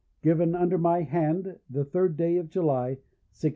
"Given under my hand the 3rd day of July, 1650.